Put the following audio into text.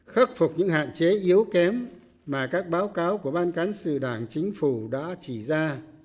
khắc phục những hạn chế yếu kém mà các báo cáo của ban cán sự đảng chính phủ đã chỉ ra